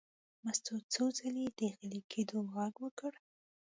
مستو څو ځلې د غلي کېدو غږ وکړ.